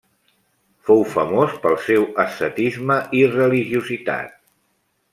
Fou famós pel seu ascetisme i religiositat.